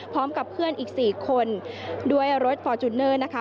พร้อมกับเพื่อนอีกสี่คนด้วยรถฟอร์จุนเนอร์